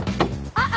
あっ！